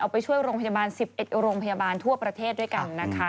ไปช่วยโรงพยาบาล๑๑โรงพยาบาลทั่วประเทศด้วยกันนะคะ